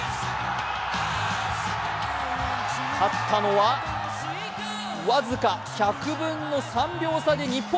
勝ったのは僅か１００分の３秒差で日本。